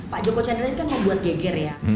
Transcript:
pak joko chandra ini kan membuat geger ya